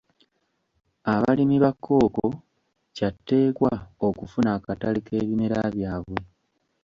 Abalimi ba Kkooko kya tteekwa okufuna akatale k'ebimera byabwe.